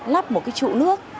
lắp một cái trụ nước